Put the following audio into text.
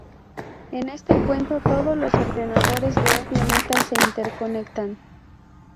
En este cuento, todos los ordenadores de un planeta se interconectan.